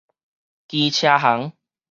機車行